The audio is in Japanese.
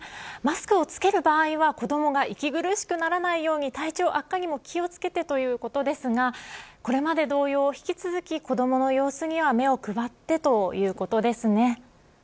マスクをつける場合は子どもが息苦しくならないように体調悪化にも気をつけてということですがこれまで同様、引き続き子どもの様子には目を配ってということですね。